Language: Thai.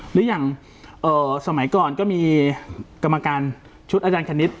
หรืออย่างสมัยก่อนก็มีกรรมการชุดอาจารย์คณิต